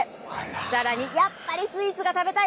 さらに、やっぱりスイーツが食べたい！